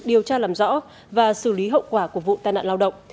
điều tra làm rõ và xử lý hậu quả của vụ tai nạn lao động